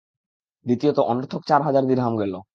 দ্বিতীয়ত অনর্থক চার হাজার দিরহাম গেল।